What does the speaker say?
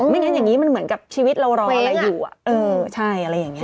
งั้นอย่างนี้มันเหมือนกับชีวิตเรารออะไรอยู่อ่ะเออใช่อะไรอย่างนี้